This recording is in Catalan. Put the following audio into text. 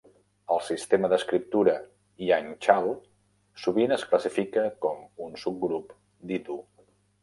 El sistema d'escriptura "hyangchal" sovint es classifica com un subgrup d'idu.